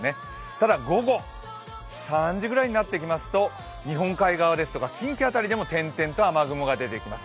ただ、午後３時ぐらいになってきますと、日本海側ですとか近畿辺りでも点々と雨雲が出てきます。